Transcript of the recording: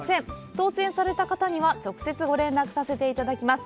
当せんされた方には、直接ご連絡させていただきます。